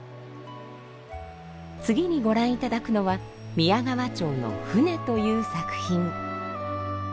次にご覧いただくのは宮川町の「舟」という作品。